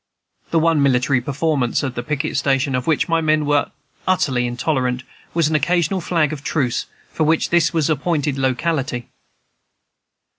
The one military performance at the picket station of which my men were utterly intolerant was an occasional flag of truce, for which this was the appointed locality.